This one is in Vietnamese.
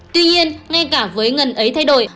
tuy nhiên ngay cả với ngần ấy thay đổi